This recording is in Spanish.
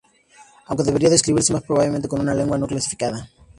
Aunque debería describirse más propiamente como una lengua no clasificada.